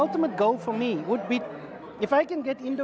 jika saya dapat mendapatkan makanan indo